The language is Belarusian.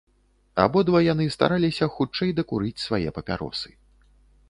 Абодва яны стараліся хутчэй дакурыць свае папяросы.